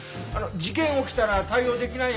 事件起きたら対応できないよ。